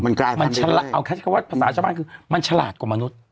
มันกลายทันดีไปคือมันฉลาดกว่ามนุษย์